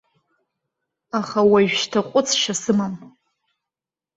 Аха уажәшьҭа ҟәыҵшьа сымам.